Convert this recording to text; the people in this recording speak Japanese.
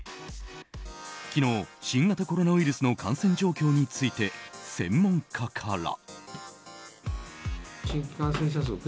昨日、新型コロナウイルスの感染状況について専門家から。